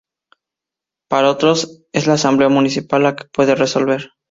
Para otros es la asamblea municipal la que puede resolver.